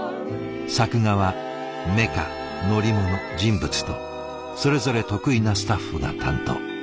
作画はメカ乗り物人物とそれぞれ得意なスタッフが担当。